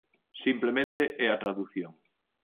Simplemente é a tradución.